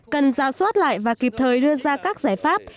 cần ra soát lại và kịp thời đưa ra các giải pháp